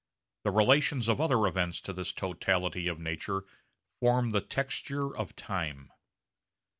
The relations of other events to this totality of nature form the texture of time.